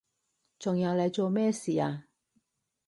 仲有你做咩事啊？